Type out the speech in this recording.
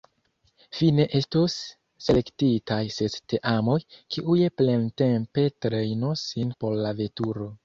Fine estos selektitaj ses teamoj, kiuj plentempe trejnos sin por la veturo.